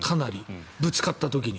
ぶつかった時に。